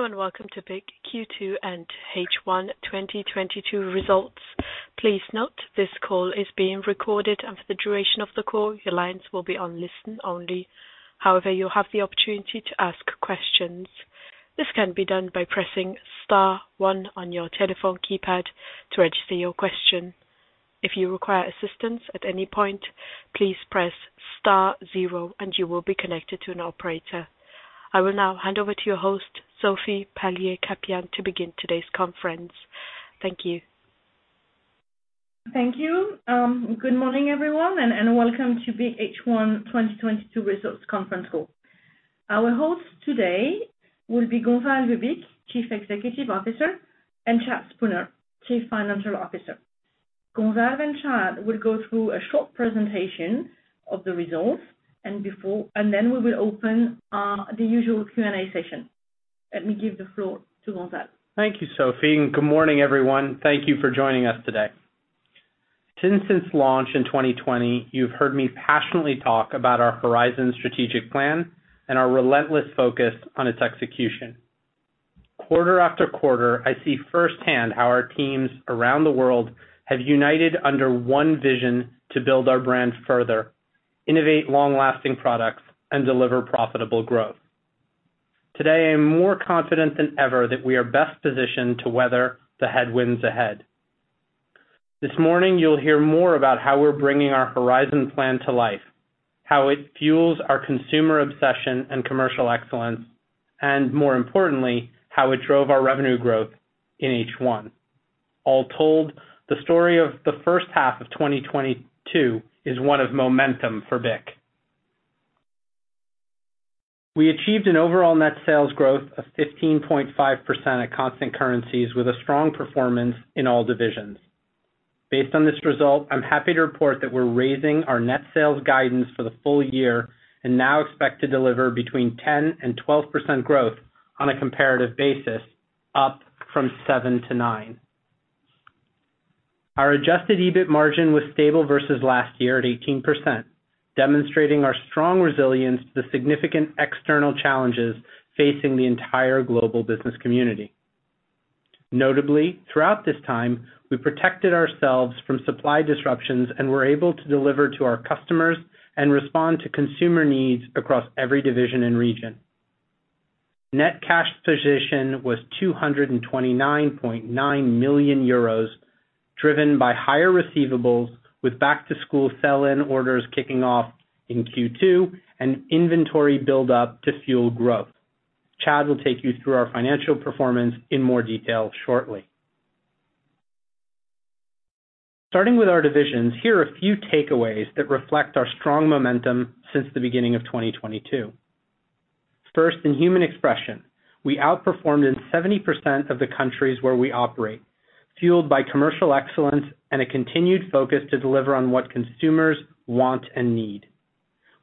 Hello, and welcome to BIC Q2 and H1 2022 results. Please note this call is being recorded, and for the duration of the call, your lines will be on listen-only. However, you'll have the opportunity to ask questions. This can be done by pressing star one on your telephone keypad to register your question. If you require assistance at any point, please press star zero and you will be connected to an operator. I will now hand over to your host, Sophie Palliez-Capian, to begin today's conference. Thank you. Thank you. Good morning, everyone, and welcome to BIC H1 2022 results conference call. Our hosts today will be Gonzalve Bich, Chief Executive Officer, and Chad Spooner, Chief Financial Officer. Gonzalve and Chad will go through a short presentation of the results and then we will open the usual Q&A session. Let me give the floor to Gonzalve. Thank you, Sophie, and good morning, everyone. Thank you for joining us today. Since its launch in 2020, you've heard me passionately talk about our Horizon strategic plan and our relentless focus on its execution. Quarter-after-quarter, I see firsthand how our teams around the world have united under one vision to build our brand further, innovate long-lasting products, and deliver profitable growth. Today, I am more confident than ever that we are best positioned to weather the headwinds ahead. This morning, you'll hear more about how we're bringing our Horizon plan to life, how it fuels our consumer obsession and commercial excellence, and more importantly, how it drove our revenue growth in H1. All told, the story of the first half of 2022 is one of momentum for BIC. We achieved an overall net sales growth of 15.5% at constant currencies with a strong performance in all divisions. Based on this result, I'm happy to report that we're raising our net sales guidance for the full year and now expect to deliver between 10% and 12% growth on a comparative basis, up from 7%-9%. Our adjusted EBIT margin was stable versus last year at 18%, demonstrating our strong resilience to the significant external challenges facing the entire global business community. Notably, throughout this time, we protected ourselves from supply disruptions and were able to deliver to our customers and respond to consumer needs across every division and region. Net cash position was 229.9 million euros, driven by higher receivables with back-to-school sell-in orders kicking off in Q2 and inventory build-up to fuel growth. Chad will take you through our financial performance in more detail shortly. Starting with our divisions, here are a few takeaways that reflect our strong momentum since the beginning of 2022. First, in Human Expression, we outperformed in 70% of the countries where we operate, fueled by commercial excellence and a continued focus to deliver on what consumers want and need.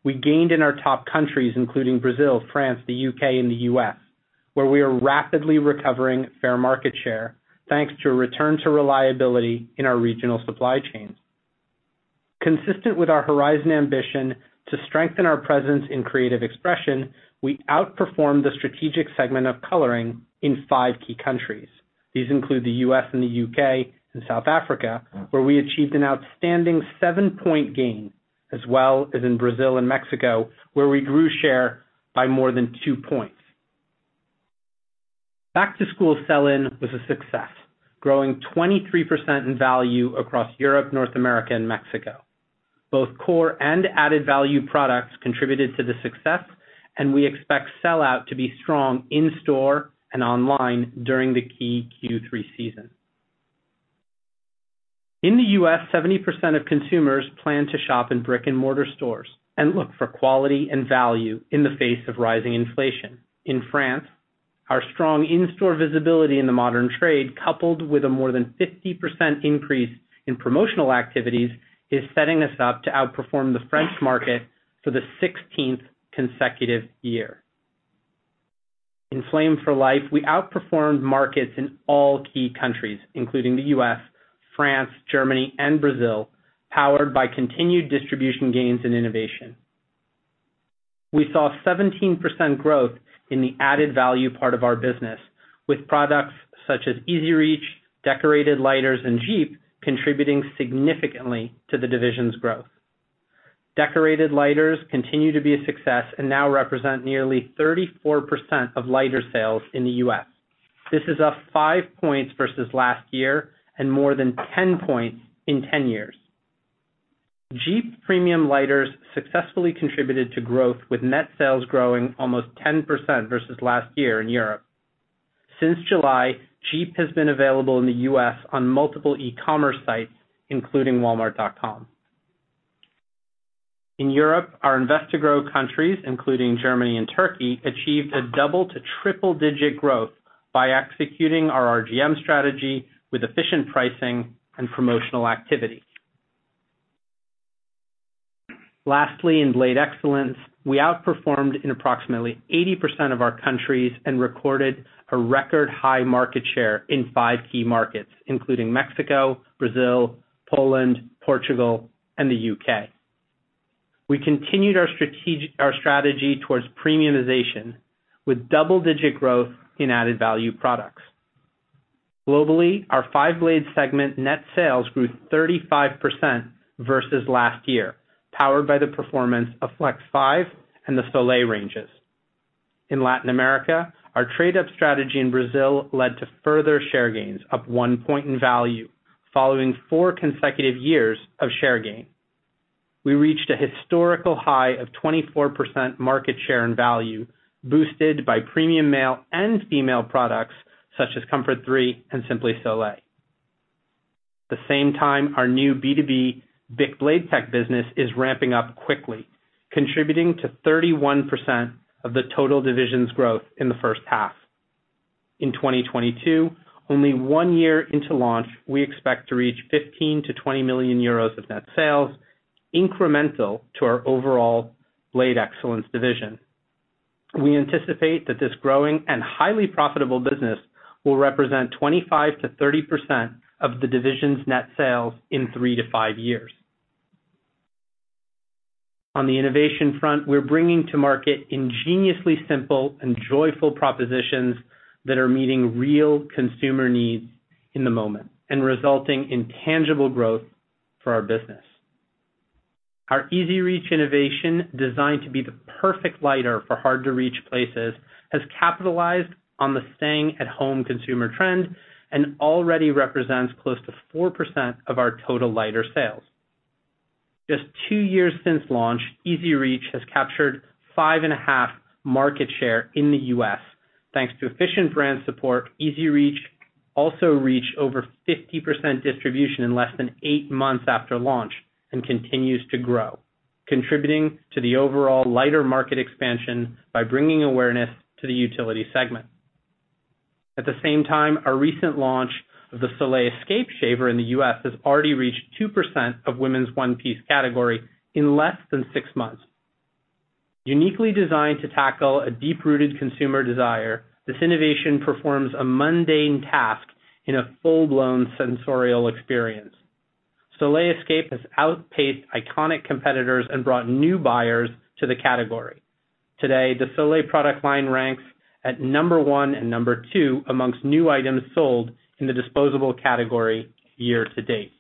We gained in our top countries, including Brazil, France, the U.K., and the U.S., where we are rapidly recovering our market share, thanks to a return to reliability in our regional supply chains. Consistent with our Horizon ambition to strengthen our presence in Creative Expression, we outperformed the strategic segment of coloring in five key countries. These include the U.S. and the U.K. and South Africa, where we achieved an outstanding 7-point gain, as well as in Brazil and Mexico, where we grew share by more than 2 points. Back-to-school sell-in was a success, growing 23% in value across Europe, North America, and Mexico. Both core and added-value products contributed to the success, and we expect sell-out to be strong in-store and online during the key Q3 season. In the U.S., 70% of consumers plan to shop in brick-and-mortar stores and look for quality and value in the face of rising inflation. In France, our strong in-store visibility in the modern trade, coupled with a more than 50% increase in promotional activities, is setting us up to outperform the French market for the 16th consecutive year. In Flame for Life, we outperformed markets in all key countries, including the U.S., France, Germany, and Brazil, powered by continued distribution gains and innovation. We saw 17% growth in the added-value part of our business, with products such as EZ Reach, Decorated Lighters, and Djeep contributing significantly to the division's growth. Decorated Lighters continue to be a success and now represent nearly 34% of lighter sales in the U.S.. This is up 5 points versus last year and more than 10 points in 10 years. Djeep premium lighters successfully contributed to growth, with net sales growing almost 10% versus last year in Europe. Since July, Djeep has been available in the U.S. on multiple e-commerce sites, including Walmart.com. In Europe, our invest to grow countries, including Germany and Turkey, achieved a double to triple-digit growth by executing our RGM strategy with efficient pricing and promotional activity. Lastly, in Blade Excellence, we outperformed in approximately 80% of our countries and recorded a record high market share in five key markets, including Mexico, Brazil, Poland, Portugal, and the U.K. We continued our strategy towards premiumization with double-digit growth in added value products. Globally, our five-blade segment net sales grew 35% versus last year, powered by the performance of Flex 5 and the Soleil ranges. In Latin America, our trade-up strategy in Brazil led to further share gains up 1 point in value, following four consecutive years of share gain. We reached a historical high of 24% market share and value boosted by premium male and female products, such as Comfort 3 and Simply Soleil. the same time our new B2B BIC Blade Tech business is ramping up quickly, contributing to 31% of the total division's growth in the first half. In 2022, only one year into launch, we expect to reach 15-20 million euros of net sales, incremental to our overall Blade Excellence division. We anticipate that this growing and highly profitable business will represent 25%-30% of the division's net sales in three to five years. On the innovation front, we're bringing to market ingeniously simple and joyful propositions that are meeting real consumer needs in the moment and resulting in tangible growth for our business. Our EZ Reach innovation, designed to be the perfect lighter for hard-to-reach places, has capitalized on the staying at home consumer trend and already represents close to 4% of our total lighter sales. Just two years since launch, EZ Reach has captured 5.5% market share in the U.S.. Thanks to efficient brand support, EZ Reach also reached over 50% distribution in less than eight months after launch and continues to grow, contributing to the overall lighter market expansion by bringing awareness to the utility segment. At the same time, our recent launch of the Soleil Escape shaver in the U.S. has already reached 2% of women's one-piece category in less than six months. Uniquely designed to tackle a deep-rooted consumer desire, this innovation performs a mundane task in a full-blown sensorial experience. Soleil Escape has outpaced iconic competitors and brought new buyers to the category. Today, the Soleil product line ranks at number one and number two amongst new items sold in the disposable category year to date.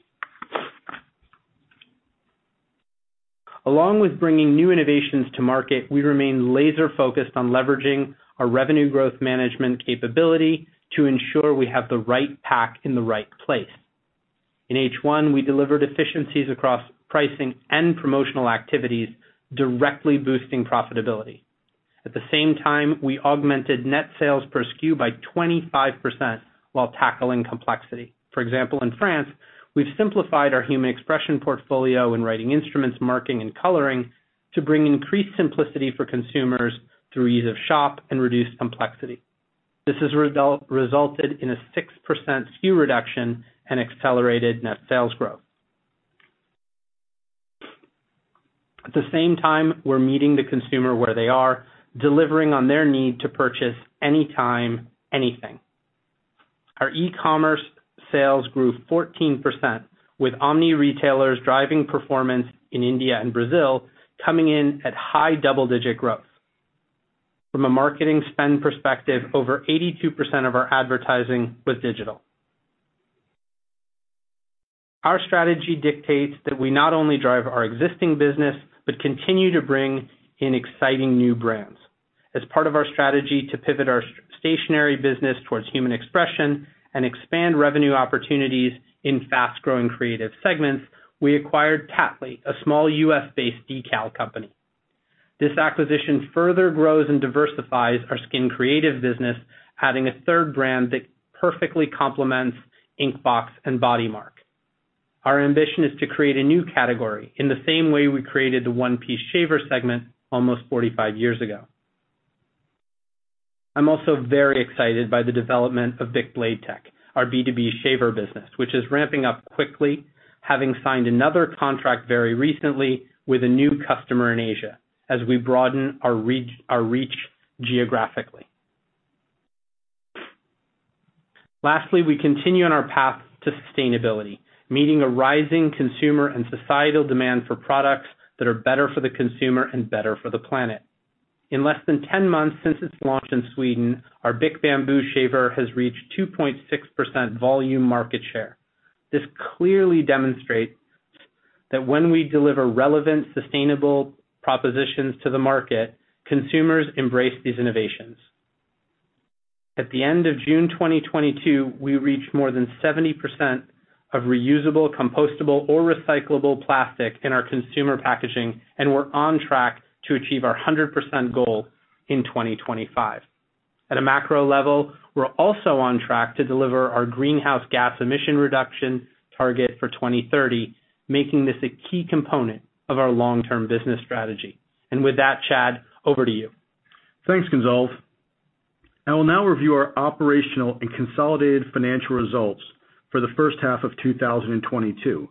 Along with bringing new innovations to market, we remain laser-focused on leveraging our revenue growth management capability to ensure we have the right pack in the right place. In H1, we delivered efficiencies across pricing and promotional activities, directly boosting profitability. At the same time, we augmented net sales per SKU by 25% while tackling complexity. For example, in France, we've simplified our Human Expression portfolio in writing instruments, marking, and coloring to bring increased simplicity for consumers through ease of shop and reduced complexity. This has resulted in a 6% SKU reduction and accelerated net sales growth. At the same time, we're meeting the consumer where they are, delivering on their need to purchase anytime, anything. Our e-commerce sales grew 14%, with omni-retailers driving performance in India and Brazil, coming in at high-double-digit growth. From a marketing spend perspective, over 82% of our advertising was digital. Our strategy dictates that we not only drive our existing business, but continue to bring in exciting new brands. As part of our strategy to pivot our stationery business towards Human Expression and expand revenue opportunities in fast-growing creative segments, we acquired Tattly, a small U.S.-based decal company. This acquisition further grows and diversifies our Skin Creative business, adding a third brand that perfectly complements Inkbox and BodyMark. Our ambition is to create a new category in the same way we created the one-piece shaver segment almost 45 years ago. I'm also very excited by the development of BIC Blade Tech, our B2B shaver business, which is ramping up quickly, having signed another contract very recently with a new customer in Asia as we broaden our reach geographically. Lastly, we continue on our path to sustainability, meeting a rising consumer and societal demand for products that are better for the consumer and better for the planet. In less than 10 months since its launch in Sweden, our BIC Bamboo shaver has reached 2.6% volume market share. This clearly demonstrates that when we deliver relevant, sustainable propositions to the market, consumers embrace these innovations. At the end of June 2022, we reached more than 70% of reusable, compostable or recyclable plastic in our consumer packaging, and we're on track to achieve our 100% goal in 2025. At a macro level, we're also on track to deliver our greenhouse gas emission reduction target for 2030, making this a key component of our long-term business strategy. With that, Chad, over to you. Thanks, Gonzalve. I will now review our operational and consolidated financial results for the first half of 2022,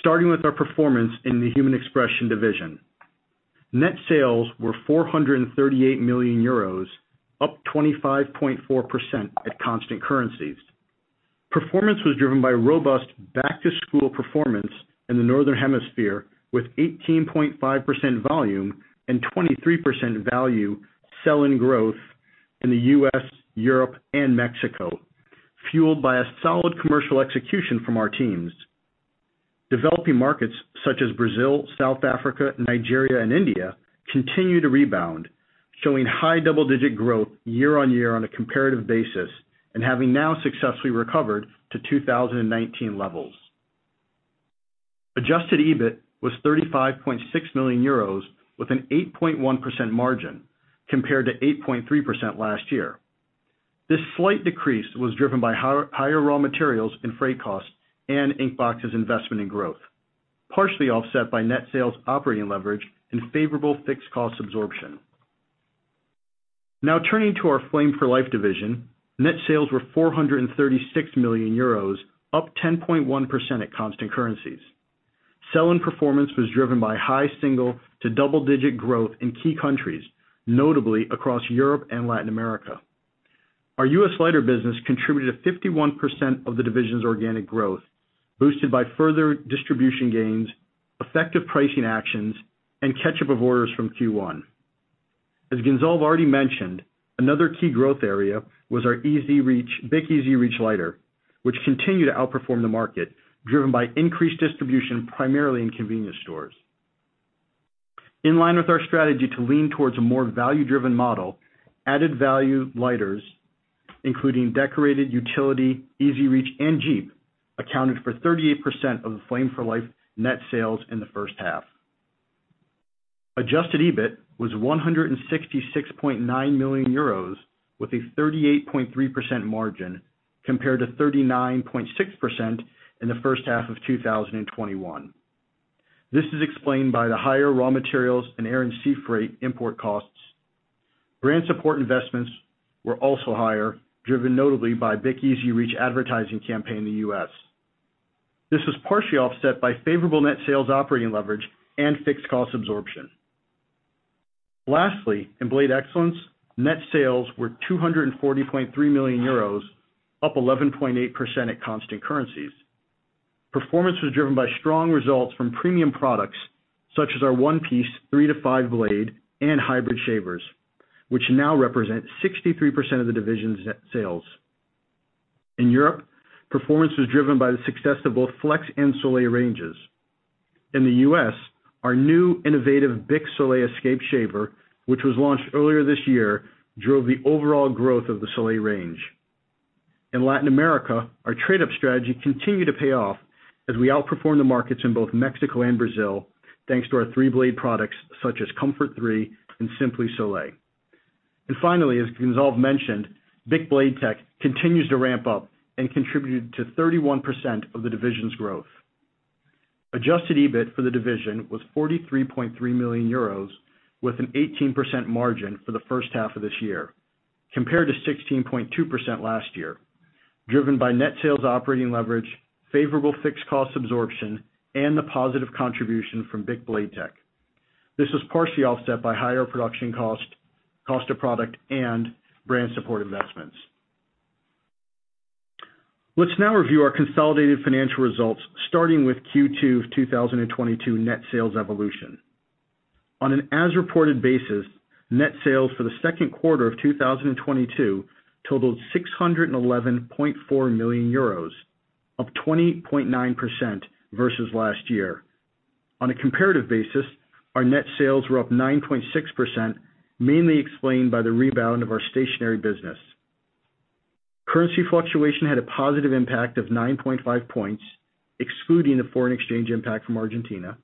starting with our performance in the Human Expression division. Net sales were 438 million euros, up 25.4% at constant currencies. Performance was driven by robust back to school performance in the Northern Hemisphere, with 18.5% volume and 23% value sell-in growth in the U.S., Europe, and Mexico, fueled by a solid commercial execution from our teams. Developing markets such as Brazil, South Africa, Nigeria, and India continue to rebound, showing high double-digit growth year-on-year on a comparative basis and having now successfully recovered to 2019 levels. Adjusted EBIT was 35.6 million euros with an 8.1% margin compared to 8.3% last year. This slight decrease was driven by higher raw materials and freight costs and Inkbox's investment in growth, partially offset by net sales operating leverage and favorable fixed cost absorption. Now turning to our Flame for Life division. Net sales were 436 million euros, up 10.1% at constant currencies. Sell-in performance was driven by high single- to double-digit growth in key countries, notably across Europe and Latin America. Our U.S. lighter business contributed 51% of the division's organic growth, boosted by further distribution gains, effective pricing actions, and catch-up of orders from Q1. As Gonzalve already mentioned, another key growth area was our BIC EZ Reach lighter, which continued to outperform the market, driven by increased distribution primarily in convenience stores. In line with our strategy to lean towards a more value-driven model, added value lighters, including Decorated, utility, EZ Reach, and Djeep, accounted for 38% of the Flame for Life net sales in the first half. Adjusted EBIT was 166.9 million euros with a 38.3% margin compared to 39.6% in the first half of 2021. This is explained by the higher raw materials and air and sea freight import costs. Brand support investments were also higher, driven notably by BIC EZ Reach advertising campaign in the U.S. This was partially offset by favorable net sales operating leverage and fixed cost absorption. Lastly, in Blade Excellence, net sales were 240.3 million euros, up 11.8% at constant currencies. Performance was driven by strong results from premium products such as our one-piece three to five blade and hybrid shavers, which now represent 63% of the division's net sales. In Europe, performance was driven by the success of both Flex and Soleil ranges. In the U.S., our new innovative BIC Soleil Escape shaver, which was launched earlier this year, drove the overall growth of the Soleil range. In Latin America, our trade-up strategy continued to pay off as we outperformed the markets in both Mexico and Brazil, thanks to our three-blade products such as Comfort 3 and Simply Soleil. Finally, as Gonzalve mentioned, BIC Blade Tech continues to ramp up and contributed to 31% of the division's growth. Adjusted EBIT for the division was 43.3 million euros with an 18% margin for the first half of this year, compared to 16.2% last year, driven by net sales operating leverage, favorable fixed cost absorption, and the positive contribution from BIC Blade Tech. This was partially offset by higher production cost of product, and brand support investments. Let's now review our consolidated financial results, starting with Q2 of 2022 net sales evolution. On an as-reported basis, net sales for the second quarter of 2022 totaled 611.4 million euros, up 20.9% versus last year. On a comparative basis, our net sales were up 9.6%, mainly explained by the rebound of our stationery business. Currency fluctuation had a positive impact of 9.5 points, excluding the foreign exchange impact from Argentina.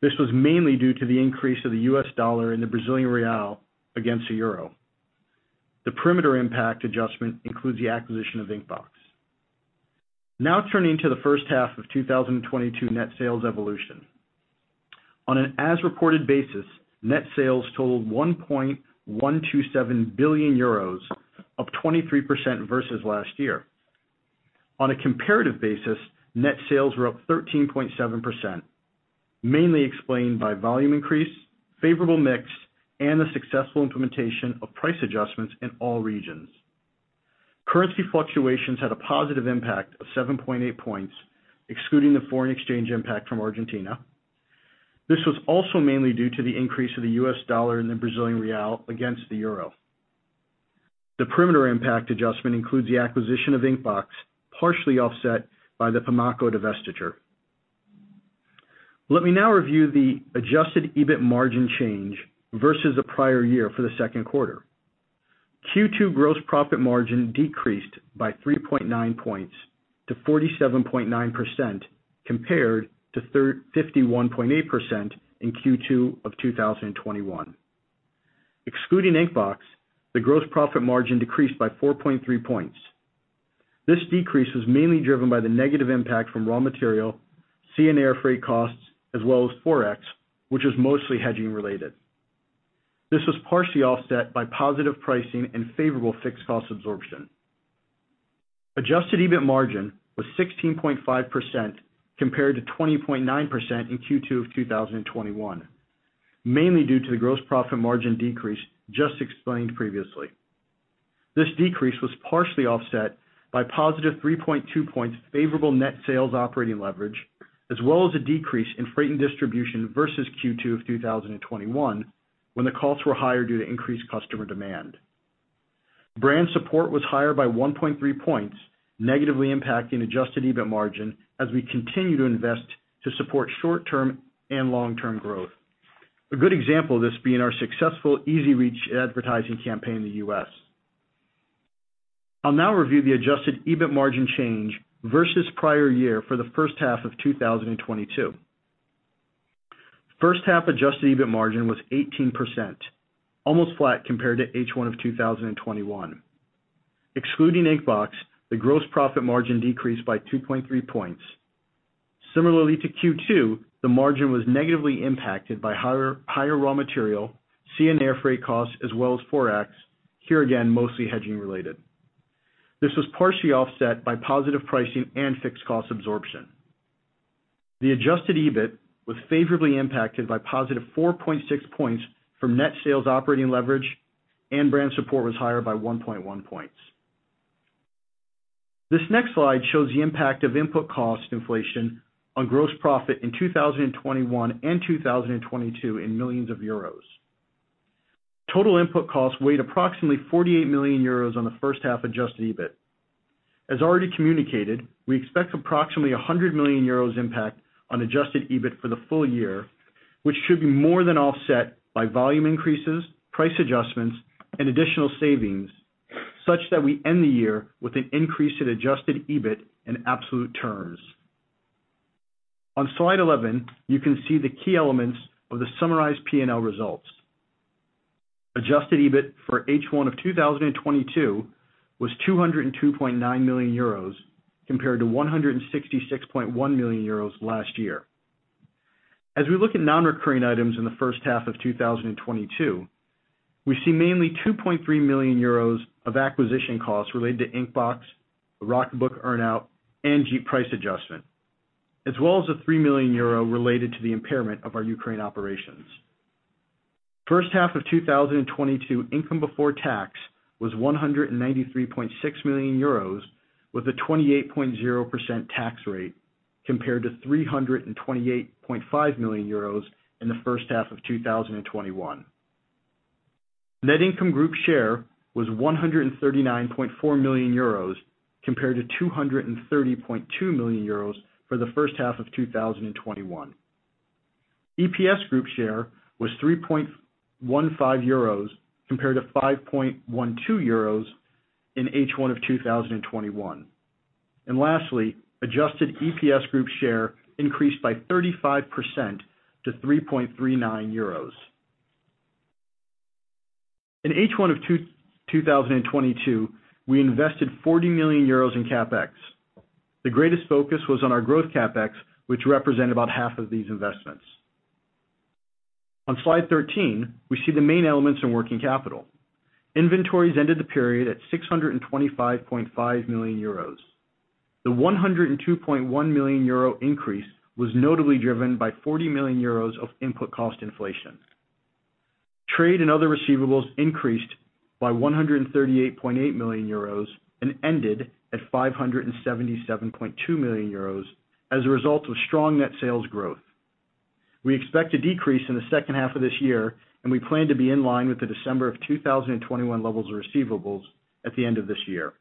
This was mainly due to the increase of the U.S. dollar and the Brazilian real against the euro. The perimeter impact adjustment includes the acquisition of Inkbox. Now turning to the first half of 2022 net sales evolution. On an as-reported basis, net sales totaled 1.127 billion euros, up 23% versus last year. On a comparative basis, net sales were up 13.7%, mainly explained by volume increase, favorable mix, and the successful implementation of price adjustments in all regions. Currency fluctuations had a positive impact of 7.8 points, excluding the foreign exchange impact from Argentina. This was also mainly due to the increase of the U.S. dollar and the Brazilian real against the euro. The perimeter impact adjustment includes the acquisition of Inkbox, partially offset by the Pimaco divestiture. Let me now review the adjusted EBIT margin change versus the prior year for the second quarter. Q2 gross profit margin decreased by 3.9 points to 47.9% compared to 51.8% in Q2 of 2021. Excluding Inkbox, the gross profit margin decreased by 4.3 points. This decrease was mainly driven by the negative impact from raw material, sea and air freight costs, as well as ForEx, which is mostly hedging-related. This was partially offset by positive pricing and favorable fixed cost absorption. Adjusted EBIT margin was 16.5% compared to 20.9% in Q2 of 2021, mainly due to the gross profit margin decrease just explained previously. This decrease was partially offset by +3.2 points favorable net sales operating leverage, as well as a decrease in freight and distribution versus Q2 of 2021, when the costs were higher due to increased customer demand. Brand support was higher by 1.3 points, negatively impacting adjusted EBIT margin as we continue to invest to support short-term and long-term growth. A good example of this being our successful EZ Reach advertising campaign in the U.S. I'll now review the adjusted EBIT margin change versus prior year for the first half of 2022. First half adjusted EBIT margin was 18%, almost flat compared to H1 of 2021. Excluding Inkbox, the gross profit margin decreased by 2.3 points. Similarly to Q2, the margin was negatively impacted by higher raw material, sea and air freight costs, as well as ForEx. Here again, mostly hedging-related. This was partially offset by positive pricing and fixed cost absorption. The adjusted EBIT was favorably impacted by +4.6 points from net sales operating leverage, and brand support was higher by 1.1 points. This next slide shows the impact of input cost inflation on gross profit in 2021 and 2022 in millions of euros. Total input costs weighed approximately 48 million euros on the first half adjusted EBIT. As already communicated, we expect approximately 100 million euros impact on adjusted EBIT for the full year, which should be more than offset by volume increases, price adjustments, and additional savings, such that we end the year with an increase in adjusted EBIT in absolute terms. On slide 11, you can see the key elements of the summarized P&L results. Adjusted EBIT for H1 of 2022 was 202.9 million euros compared to 166.1 million euros last year. As we look at non-recurring items in the first half of 2022, we see mainly 2.3 million euros of acquisition costs related to Inkbox, the Rocketbook earn-out, and Djeep price adjustment, as well as 3 million euro related to the impairment of our Ukraine operations. First half of 2022 income before tax was 193.6 million euros with a 28.0% tax rate compared to 328.5 million euros in the first half of 2021. Net income group share was 139.4 million euros compared to 230.2 million euros for the first half of 2021. EPS group share was 3.15 euros compared to 5.12 euros in H1 of 2021. Lastly, adjusted EPS group share increased by 35% to 3.39 euros. In H1 of 2022, we invested 40 million euros in CapEx. The greatest focus was on our growth CapEx, which represent about half of these investments. On slide 13, we see the main elements in working capital. Inventories ended the period at 625.5 million euros. The 102.1 million euro increase was notably driven by 40 million euros of input cost inflation. Trade and other receivables increased by 138.8 million euros and ended at 577.2 million euros as a result of strong net sales growth. We expect a decrease in the second half of this year, and we plan to be in line with the December 2021 levels of receivables at the end of this year.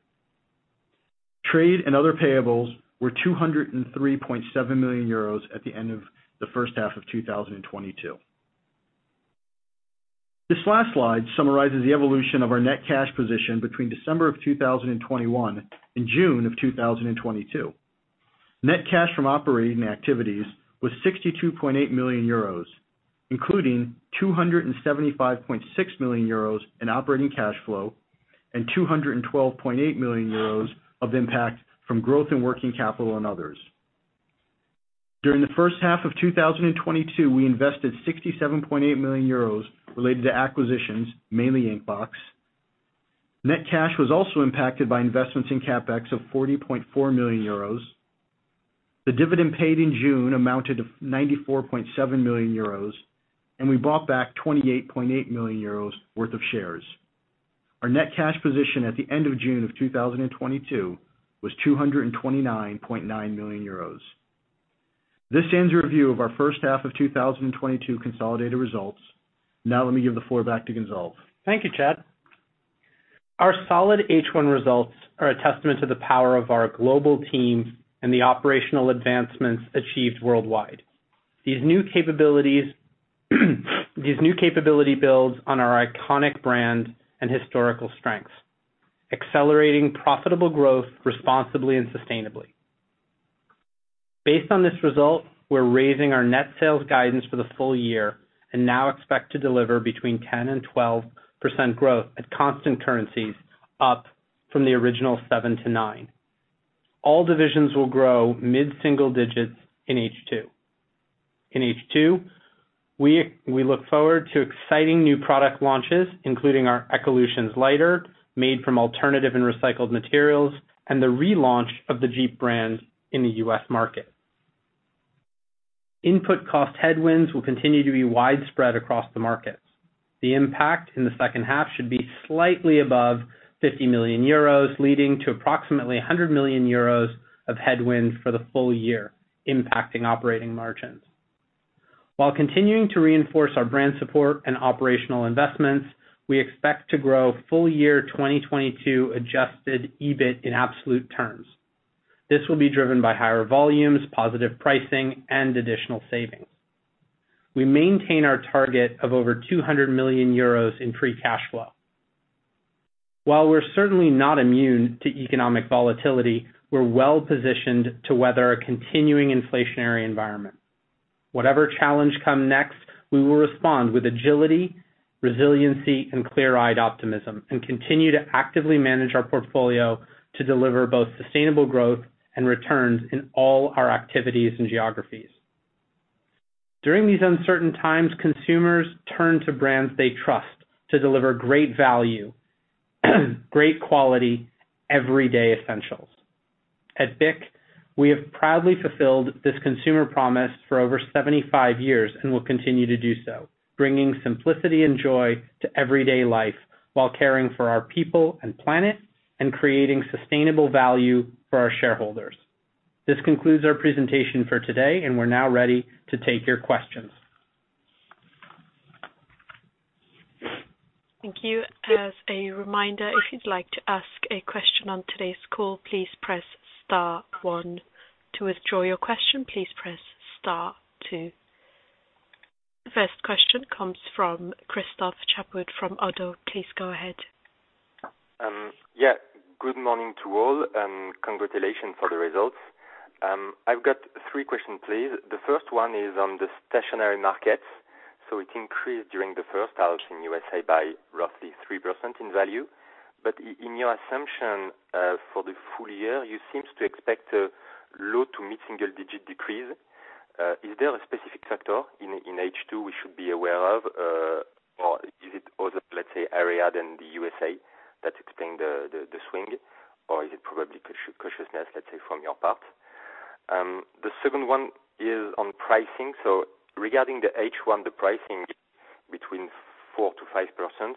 Trade and other payables were 203.7 million euros at the end of the first half of 2022. This last slide summarizes the evolution of our net cash position between December of 2021 and June of 2022. Net cash from operating activities was 62.8 million euros, including 275.6 million euros in operating cash flow and 212.8 million euros of impact from growth in working capital and others. During the first half of 2022, we invested 67.8 million euros related to acquisitions, mainly Inkbox. Net cash was also impacted by investments in CapEx of 40.4 million euros. The dividend paid in June amounted to 94.7 million euros, and we bought back 28.8 million euros worth of shares. Our net cash position at the end of June 2022 was 229.9 million euros. This ends the review of our first half of 2022 consolidated results. Now let me give the floor back to Gonzalve. Thank you, Chad. Our solid H1 results are a testament to the power of our global teams and the operational advancements achieved worldwide. These new capability builds on our iconic brand and historical strengths, accelerating profitable growth responsibly and sustainably. Based on this result, we're raising our net sales guidance for the full year and now expect to deliver between 10% and 12% growth at constant currencies, up from the original 7%-9%. All divisions will grow mid-single-digits in H2. In H2, we look forward to exciting new product launches, including our Ecolutions lighter, made from alternative and recycled materials, and the relaunch of the Djeep brand in the U.S. market. Input cost headwinds will continue to be widespread across the markets. The impact in the second half should be slightly above 50 million euros, leading to approximately 100 million euros of headwind for the full year, impacting operating margins. While continuing to reinforce our brand support and operational investments, we expect to grow full year 2022 adjusted EBIT in absolute terms. This will be driven by higher volumes, positive pricing, and additional savings. We maintain our target of over 200 million euros in free cash flow. While we're certainly not immune to economic volatility, we're well-positioned to weather a continuing inflationary environment. Whatever challenge come next, we will respond with agility, resiliency, and clear-eyed optimism, and continue to actively manage our portfolio to deliver both sustainable growth and returns in all our activities and geographies. During these uncertain times, consumers turn to brands they trust to deliver great value, great quality everyday essentials. At BIC, we have proudly fulfilled this consumer promise for over 75 years and will continue to do so, bringing simplicity and joy to everyday life while caring for our people and planet and creating sustainable value for our shareholders. This concludes our presentation for today, and we're now ready to take your questions. Thank you. As a reminder, if you'd like to ask a question on today's call, please press star one. To withdraw your question, please press star two. The first question comes from Christophe Chaput from Oddo. Please go ahead. Yeah. Good morning to all, and congratulations for the results. I've got three questions, please. The first one is on the stationery markets. It increased during the first half in USA by roughly 3% in value. In your assumption for the full year, you seems to expect a low to mid-single-digit decrease. Is there a specific factor in H2 we should be aware of? Or is it other, let's say, area than the USA that explain the swing? Or is it probably cautiousness, let's say, from your part? The second one is on pricing. Regarding the H1, the pricing between 4%-5%.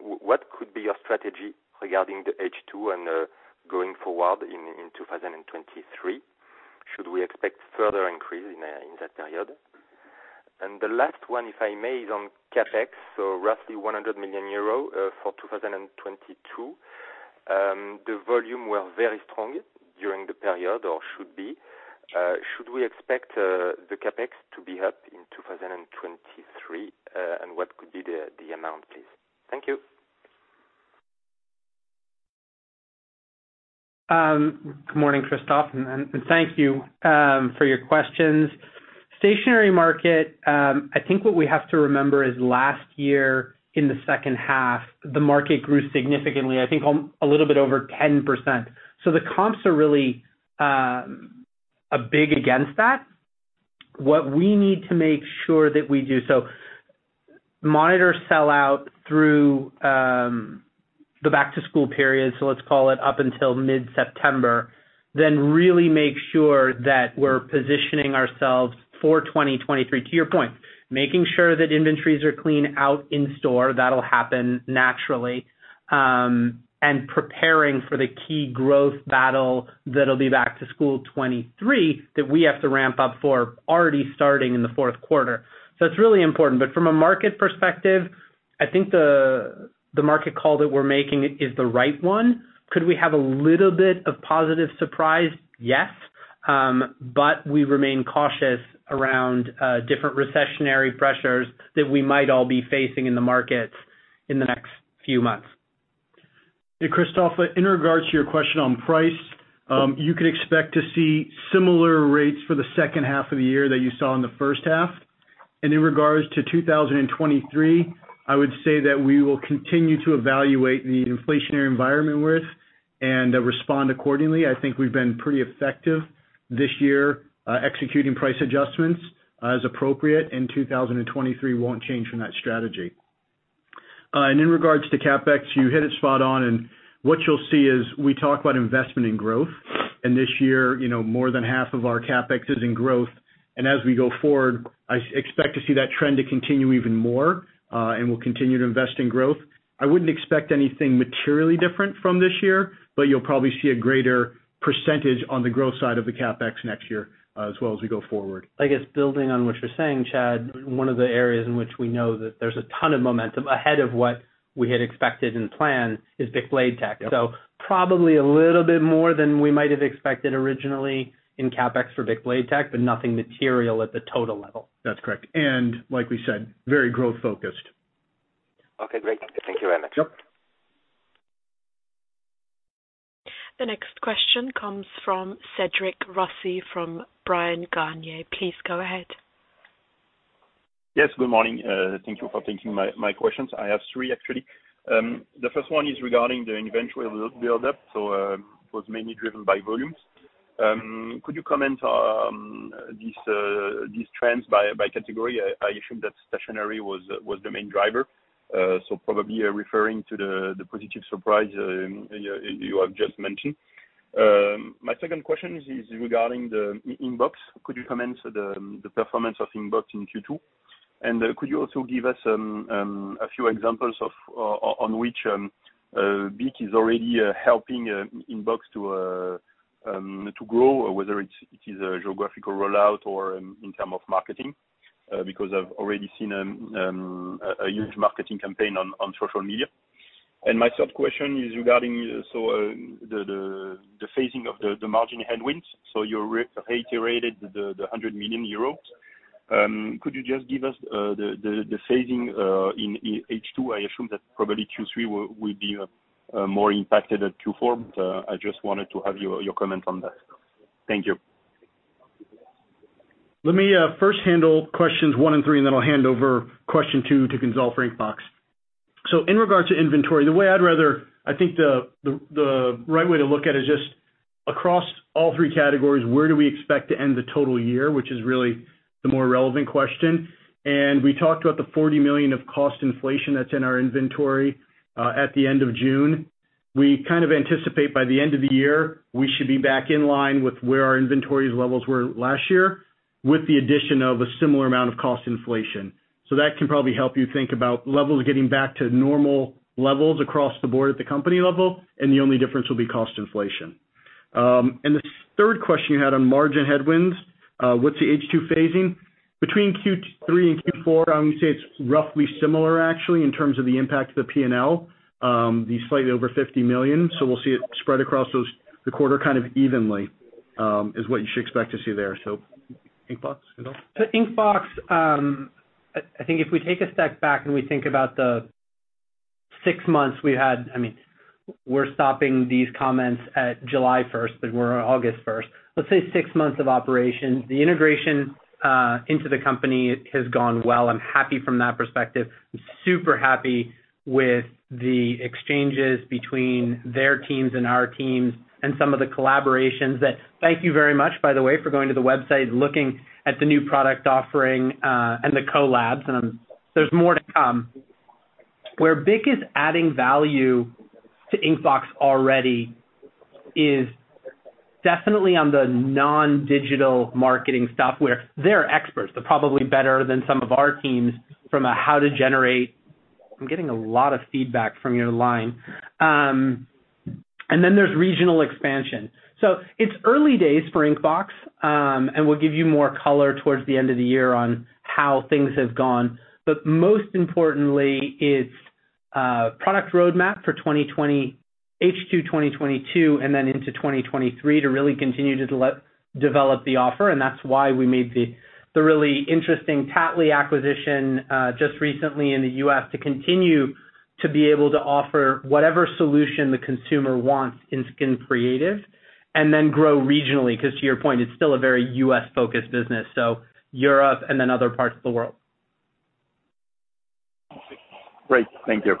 What could be your strategy regarding the H2 and going forward in 2023? Should we expect further increase in that period? The last one, if I may, is on CapEx. Roughly 100 million euros for 2022. The volume were very strong during the period or should be. Should we expect the CapEx to be up in 2023? What could be the amount, please? Thank you. Good morning, Christophe, and thank you for your questions. Stationery market, I think what we have to remember is last year in the second half, the market grew significantly, I think on a little bit over 10%. The comps are really a big against that. What we need to make sure that we do is monitor sell-out through the back-to-school period, so let's call it up until mid-September, then really make sure that we're positioning ourselves for 2023. To your point, making sure that inventories are cleaned out in-store, that'll happen naturally, and preparing for the key growth battle that'll be back-to-school 2023 that we have to ramp up for already starting in the fourth quarter. It's really important. From a market perspective, I think the market call that we're making is the right one. Could we have a little bit of positive surprise? Yes. We remain cautious around different recessionary pressures that we might all be facing in the markets in the next few months. Christophe, in regards to your question on price, you could expect to see similar rates for the second half of the year that you saw in the first half. In regards to 2023, I would say that we will continue to evaluate the inflationary environment we're in and respond accordingly. I think we've been pretty effective this year, executing price adjustments as appropriate, and 2023 won't change from that strategy. In regards to CapEx, you hit it spot on. What you'll see is we talk about investment in growth. This year, you know, more than half of our CapEx is in growth. As we go forward, I expect to see that trend to continue even more, and we'll continue to invest in growth. I wouldn't expect anything materially different from this year, but you'll probably see a greater percentage on the growth side of the CapEx next year as well as we go forward. I guess building on what you're saying, Chad, one of the areas in which we know that there's a ton of momentum ahead of what we had expected and planned is BIC Blade Tech. Yep. Probably a little bit more than we might have expected originally in CapEx for BIC Blade Tech, but nothing material at the total level. That's correct. Like we said, very growth-focused. Okay, great. Thank you very much. The next question comes from Cédric Rossi from Bryan Garnier. Please go ahead. Yes, good morning. Thank you for taking my questions. I have three, actually. The first one is regarding the inventory build up. It was mainly driven by volumes. Could you comment on these trends by category? I assume that stationery was the main driver. Probably referring to the positive surprise you have just mentioned. My second question is regarding Inkbox. Could you comment on the performance of Inkbox in Q2? Could you also give us a few examples of on which BIC is already helping Inkbox to grow, or whether it's a geographical rollout or in terms of marketing, because I've already seen a huge marketing campaign on social media. My third question is regarding the phasing of the margin headwinds. You're reiterated the 100 million euros. Could you just give us the phasing in H2? I assume that probably Q3 will be more impacted than Q4, but I just wanted to have your comment on that. Thank you. Let me first handle questions one and three, and then I'll hand over question two to Gonzalve, Inkbox. In regards to inventory, the way I'd rather, I think the right way to look at it is just across all three categories, where do we expect to end the total year, which is really the more relevant question. We talked about the 40 million of cost inflation that's in our inventory at the end of June. We kind of anticipate by the end of the year, we should be back in line with where our inventory levels were last year, with the addition of a similar amount of cost inflation. That can probably help you think about levels getting back to normal levels across the board at the company level, and the only difference will be cost inflation. The third question you had on margin headwinds, what's the H2 phasing? Between Q3 and Q4, I would say it's roughly similar actually, in terms of the impact to the P&L, the slightly over 50 million. We'll see it spread across those quarters kind of evenly, is what you should expect to see there. Inkbox, Gonzalve Bich. Inkbox, I think if we take a step back and we think about the six months we had, I mean, we're stopping these comments at July 1st, but we're on August 1st. Let's say, six months of operation. The integration into the company has gone well. I'm happy from that perspective. I'm super happy with the exchanges between their teams and our teams and some of the collaborations. Thank you very much, by the way, for going to the website, looking at the new product offering, and the collabs. There's more to come. Where BIC is adding value to Inkbox already is definitely on the non-digital marketing stuff, where they're experts. They're probably better than some of our teams from a how to generate. I'm getting a lot of feedback from your line. There's regional expansion. It's early days for Inkbox, and we'll give you more color towards the end of the year on how things have gone. Most importantly, it's product roadmap for H2 2022 and then into 2023 to really continue to develop the offer, and that's why we made the really interesting Tattly acquisition just recently in the U.S. to continue to be able to offer whatever solution the consumer wants in Skin Creative and then grow regionally. 'Cause to your point, it's still a very U.S-focused business, so Europe and then other parts of the world. Great. Thank you.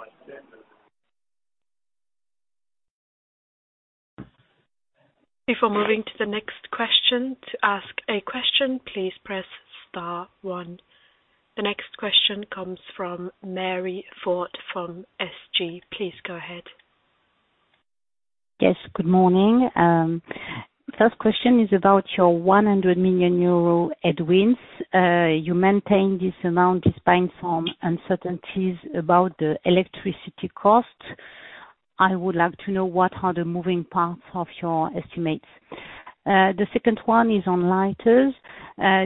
Before moving to the next question, to ask a question, please press star one. The next question comes from Marie-Line Fort from SG. Please go ahead. Yes, good morning. First question is about your 100 million euro headwinds. You maintain this amount despite some uncertainties about the electricity cost. I would like to know what are the moving parts of your estimates. The second one is on lighters.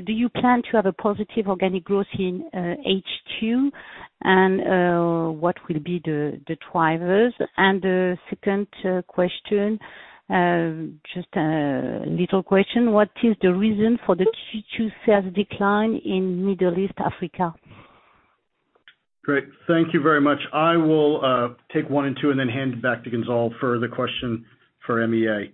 Do you plan to have a positive organic growth in H2? And what will be the drivers? And the second question, just a little question. What is the reason for the Q2 sales decline in MEA? Great. Thank you very much. I will take one and two and then hand it back to Gonzalve for the question for MEA.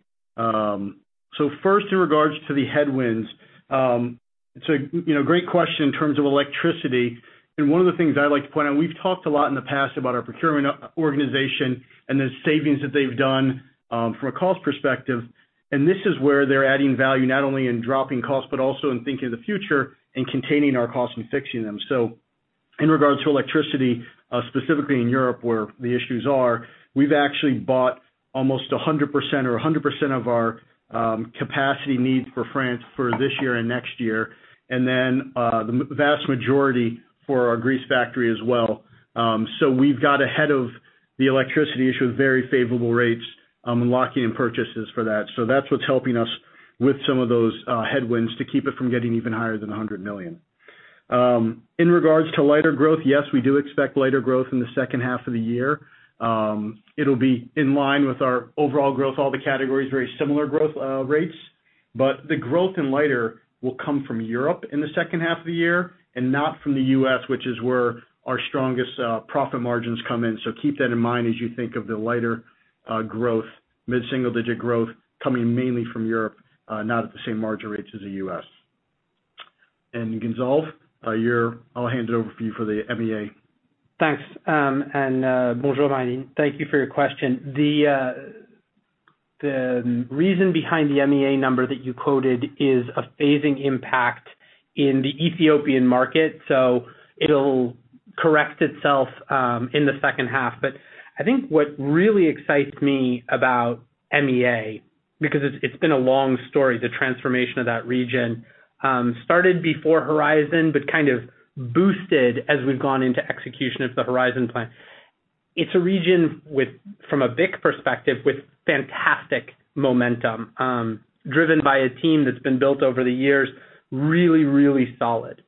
First in regards to the headwinds, you know, great question in terms of electricity. One of the things I'd like to point out, we've talked a lot in the past about our procurement organization and the savings that they've done, from a cost perspective. This is where they're adding value not only in dropping costs, but also in thinking of the future and containing our costs and fixing them. In regards to electricity, specifically in Europe where the issues are, we've actually bought almost 100% or 100% of our capacity needs for France for this year and next year, and then the vast majority for our Greece factory as well. We've got ahead of the electricity issue with very favorable rates, and locking in purchases for that. That's what's helping us with some of those headwinds to keep it from getting even higher than 100 million. In regards to lighter growth, yes, we do expect lighter growth in the second half of the year. It'll be in line with our overall growth. All the categories, very similar growth rates. The growth in lighter will come from Europe in the second half of the year and not from the U.S., which is where our strongest profit margins come in. Keep that in mind as you think of the lighter growth, mid-single-digit growth coming mainly from Europe, not at the same margin rates as the U.S. Gonzalve, I'll hand it over to you for the MEA. Thank you for your question. The reason behind the MEA number that you quoted is a phasing impact in the Ethiopian market, so it'll correct itself in the second half. I think what really excites me about MEA, because it's been a long story, the transformation of that region, started before Horizon, but kind of boosted as we've gone into execution of the Horizon plan. It's a region with, from a BIC perspective, with fantastic momentum, driven by a team that's been built over the years, really solid.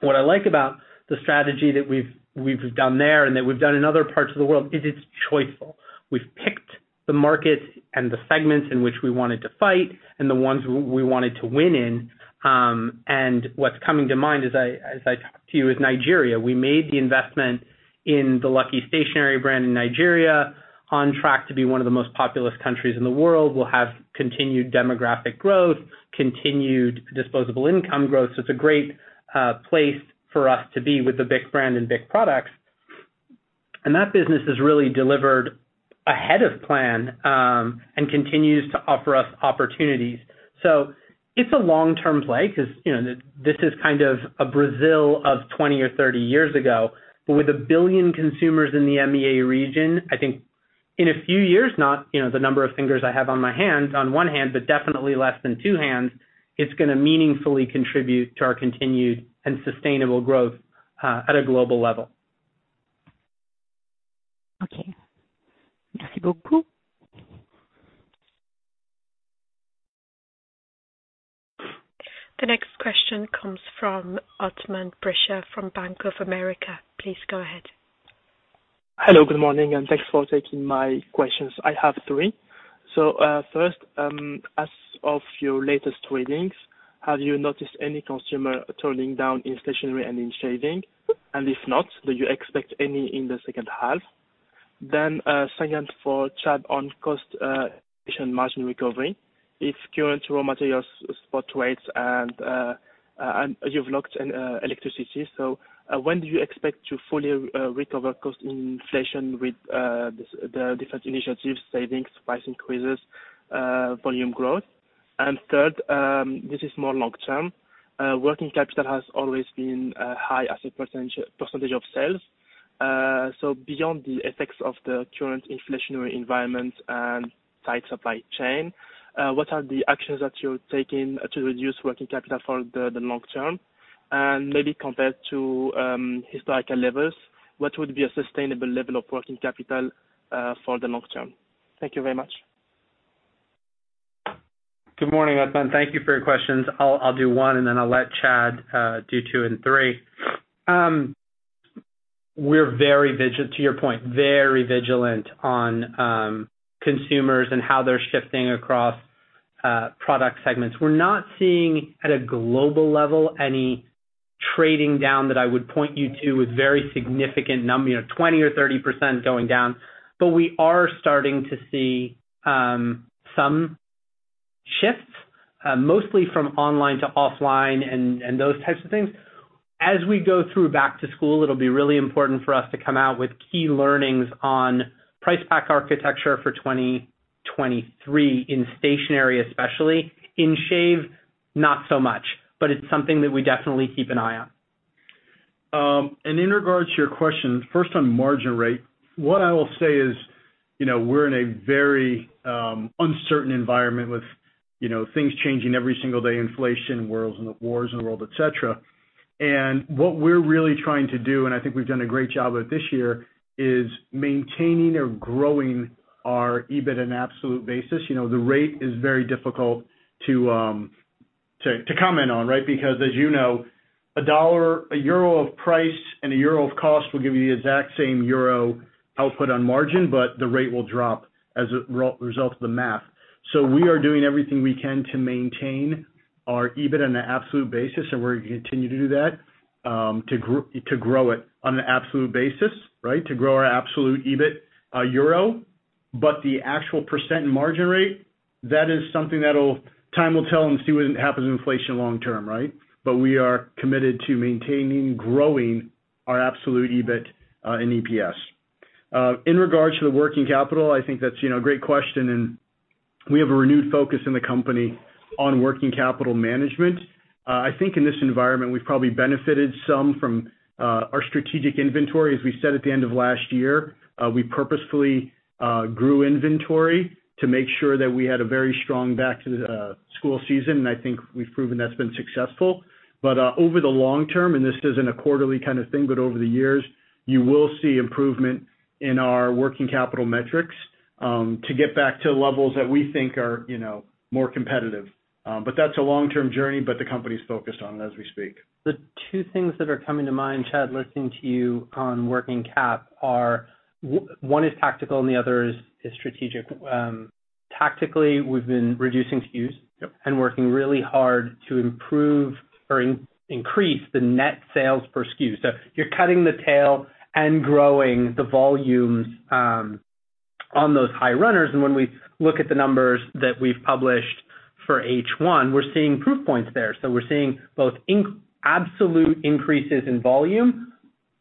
What I like about the strategy that we've done there and that we've done in other parts of the world is it's choiceful. We've picked the markets and the segments in which we wanted to fight and the ones we wanted to win in. What's coming to mind as I talk to you is Nigeria. We made the investment in the Lucky Stationery Nigeria Ltd in Nigeria, on track to be one of the most populous countries in the world. We'll have continued demographic growth, continued disposable income growth. It's a great place for us to be with the BIC brand and BIC products. That business has really delivered ahead of plan and continues to offer us opportunities. It's a long-term play because, you know, this is kind of a Brazil of 20 or 30 years ago. with 1 billion consumers in the MEA region, I think in a few years, not, you know, the number of fingers I have on my hands, on one hand, but definitely less than two hands, it's gonna meaningfully contribute to our continued and sustainable growth at a global level. Okay. The next question comes from Othman Bricha from Bank of America. Please go ahead. Hello, good morning, and thanks for taking my questions. I have three. First, as of your latest trading, have you noticed any consumer turning down in stationery and in shaving? If not, do you expect any in the second half? Second for Chad on cost margin recovery. If current raw materials spot rates and you've locked in electricity. When do you expect to fully recover cost inflation with the different initiatives, savings, price increases, volume growth? Third, this is more long term. Working capital has always been a high asset percentage of sales. So beyond the effects of the current inflationary environment and tight supply chain, what are the actions that you're taking to reduce working capital for the long term? Maybe compared to historical levels, what would be a sustainable level of working capital for the long term? Thank you very much. Good morning, Othman. Thank you for your questions. I'll do one, and then I'll let Chad do two and three. To your point, very vigilant on consumers and how they're shifting across product segments. We're not seeing, at a global level, any trading down that I would point you to with very significant you know, 20% or 30% going down. We are starting to see some shifts, mostly from online to offline and those types of things. As we go through back to school, it'll be really important for us to come out with key learnings on price pack architecture for 2023 in stationery, especially. In shave, not so much. It's something that we definitely keep an eye on. In regards to your question, first on margin rate, what I will say is, you know, we're in a very uncertain environment with, you know, things changing every single day, inflation worries, and the wars in the world, et cetera. What we're really trying to do, and I think we've done a great job with this year, is maintaining or growing our EBIT in absolute basis. You know, the rate is very difficult to comment on, right? Because as you know, a euro of price and a euro of cost will give you the exact same euro output on margin, but the rate will drop as a result of the math. We are doing everything we can to maintain our EBIT on an absolute basis, and we're gonna continue to do that, to grow it on an absolute basis, right? To grow our absolute EBIT in euro. The actual percent margin rate, that is something that'll. Time will tell and see what happens with inflation long term, right? We are committed to maintaining, growing our absolute EBIT, and EPS. In regards to the working capital, I think that's, you know, a great question, and we have a renewed focus in the company on working capital management. I think in this environment, we've probably benefited some from our strategic inventory. As we said at the end of last year, we purposefully grew inventory to make sure that we had a very strong back to school season, and I think we've proven that's been successful. Over the long term, and this isn't a quarterly kind of thing, but over the years, you will see improvement in our working capital metrics to get back to levels that we think are, you know, more competitive. That's a long-term journey, but the company's focused on as we speak. The two things that are coming to mind, Chad, listening to you on working cap are, one is tactical and the other is strategic. Tactically, we've been reducing SKUs. Yep. Working really hard to improve or increase the net sales per SKU. You're cutting the tail and growing the volumes on those high runners. When we look at the numbers that we've published for H1, we're seeing proof points there. We're seeing both absolute increases in volume,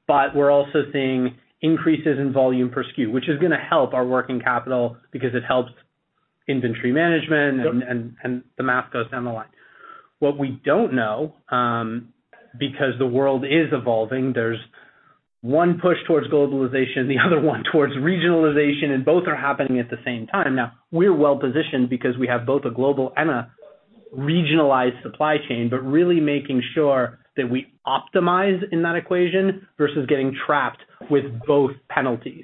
but we're also seeing increases in volume per SKU, which is gonna help our working capital because it helps inventory management. Yep. The math goes down the line. What we don't know, because the world is evolving, there's one push towards globalization, the other one towards regionalization, and both are happening at the same time. Now, we're well positioned because we have both a global and a regionalized supply chain, but really making sure that we optimize in that equation versus getting trapped with both penalties.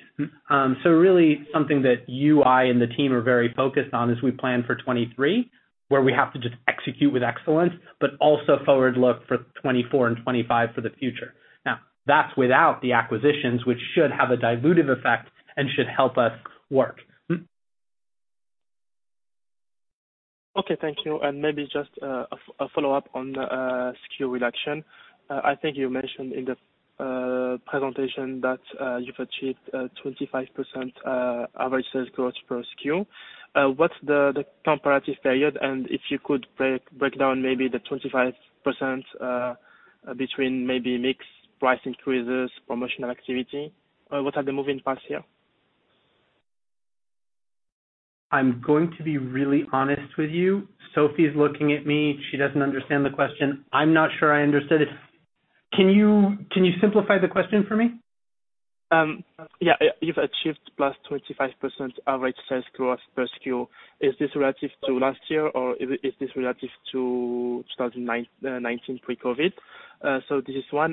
Really something that you, I, and the team are very focused on as we plan for 2023, where we have to just execute with excellence, but also forward look for 2024 and 2025 for the future. Now, that's without the acquisitions, which should have a dilutive effect and should help us work. Okay, thank you. Maybe just a follow-up on the SKU reduction. I think you mentioned in the presentation that you've achieved 25% average sales growth per SKU. What's the comparative period? If you could break down maybe the 25% between maybe mix price increases, promotional activity. What are the moving parts here? I'm going to be really honest with you. Sophie's looking at me. She doesn't understand the question. I'm not sure I understood it. Can you simplify the question for me? You've achieved +25% average sales growth per SKU. Is this relative to last year or is this relative to 2019 pre-COVID? This is 25%,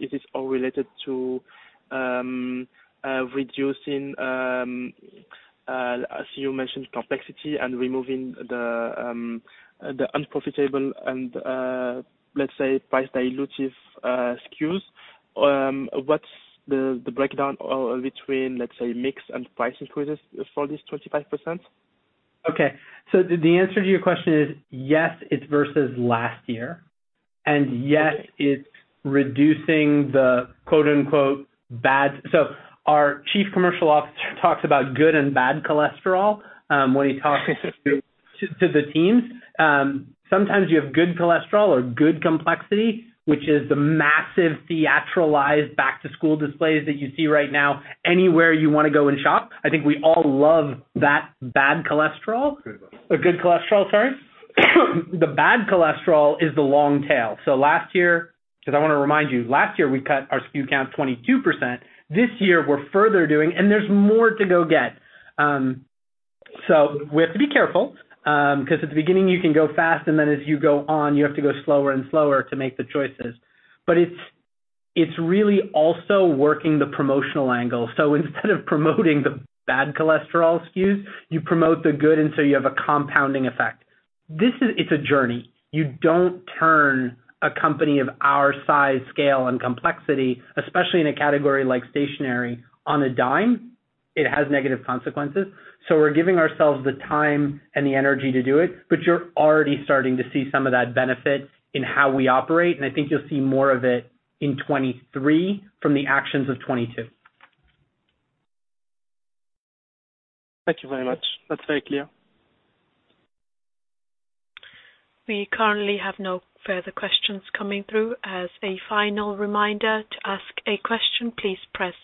is this all related to reducing, as you mentioned, complexity and removing the unprofitable and let's say price dilutive SKUs? What's the breakdown between let's say mix and price increases for this 25%? Okay. The answer to your question is yes, it's versus last year. Yes, it's reducing the "bad". Our chief commercial officer talks about good and bad cholesterol when he talks to the teams. Sometimes you have good cholesterol or good complexity, which is the massive theatricalized back-to-school displays that you see right now anywhere you wanna go and shop. I think we all love that bad cholesterol. Good. Good cholesterol, sorry. The bad cholesterol is the long tail. Last year, 'cause I wanna remind you, last year, we cut our SKU count 22%. This year, we're further doing, and there's more to go get. We have to be careful, 'cause at the beginning you can go fast, and then as you go on, you have to go slower and slower to make the choices. It's really also working the promotional angle. Instead of promoting the bad cholesterol SKUs, you promote the good, and so you have a compounding effect. This is. It's a journey. You don't turn a company of our size, scale, and complexity, especially in a category like stationery, on a dime. It has negative consequences. We're giving ourselves the time and the energy to do it, but you're already starting to see some of that benefit in how we operate, and I think you'll see more of it in 2023 from the actions of 2022. Thank you very much. That's very clear. We currently have no further questions coming through. As a final reminder, to ask a question, please press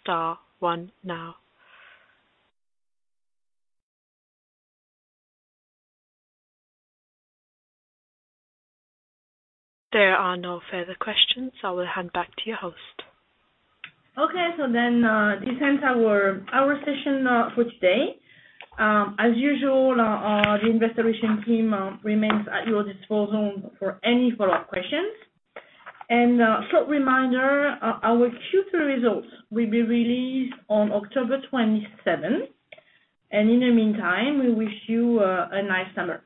star one now. There are no further questions. I will hand back to your host. Okay. This ends our session for today. As usual, our investor relations team remains at your disposal for any follow-up questions. Short reminder, our Q3 results will be released on October 27th. In the meantime, we wish you a nice summer.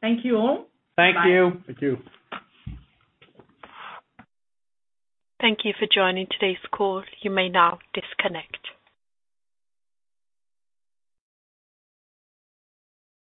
Thank you all. Thank you. Thank you. Thank you for joining today's call. You may now disconnect.